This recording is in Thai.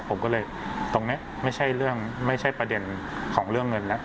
ผมก็เลยตรงนี้ไม่ใช่ประเด็นของเรื่องเงินนะ